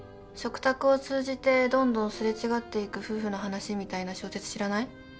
食卓を通じてどんどん擦れ違っていく夫婦の話みたいな小説知らない？